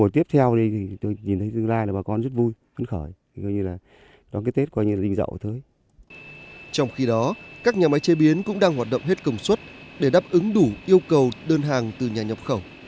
trong khi đó các nhà máy chế biến cũng đang hoạt động hết công suất để đáp ứng đủ yêu cầu đơn hàng từ nhà nhập khẩu